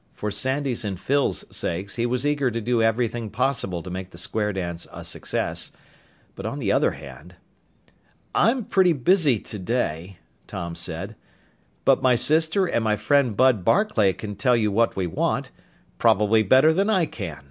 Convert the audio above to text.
For Sandy's and Phyl's sakes he was eager to do everything possible to make the square dance a success. But on the other hand.... "I'm pretty busy today," Tom said. "But my sister and my friend Bud Barclay can tell you what we want probably better than I can.